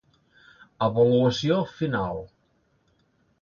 Avaluació final: